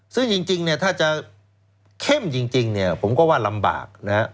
ซึ่งจริงถ้าจะเข้มจริงผมก็ว่าลำบาก